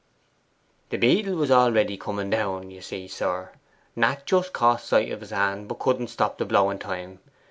'The beetle was already coming down, you see, sir. Nat just caught sight of his hand, but couldn't stop the blow in time.